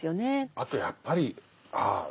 あとやっぱりああ